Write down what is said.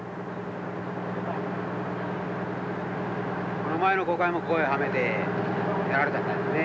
この前の航海もここへはめてやられちゃったんですね。